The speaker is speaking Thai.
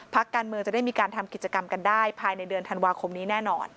พักการเมืองจะได้มีการทำกิจกรรมกันได้ภายในเดือนธันวาคมนี้แน่นอน